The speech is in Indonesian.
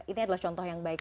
ini adalah contoh yang baik